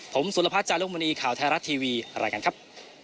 ผมสุรพัฒน์จารุมณีข่าวไทยรัฐทีวีรายงานครับ